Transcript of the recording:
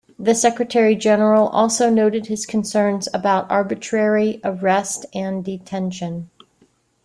The Secretary-General also noted his concerns about arbitrary arrest and detention.